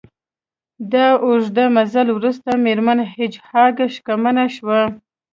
د اوږد مزل وروسته میرمن هیج هاګ شکمنه شوه